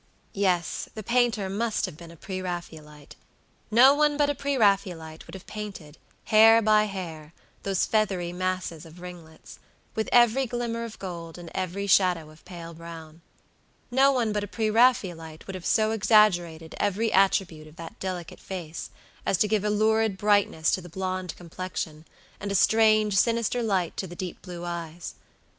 Yes, the painter must have been a pre Raphaelite. No one but a pre Raphaelite would have painted, hair by hair, those feathery masses of ringlets, with every glimmer of gold, and every shadow of pale brown. No one but a pre Raphaelite would have so exaggerated every attribute of that delicate face as to give a lurid brightness to the blonde complexion, and a strange, sinister light to the deep blue eyes.